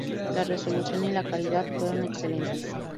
La resolución y la calidad fueron excelentes.